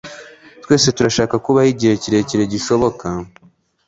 twese turashaka kubaho igihe kirekire gishoboka